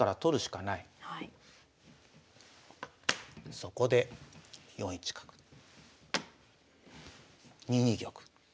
そこで４一角２二玉。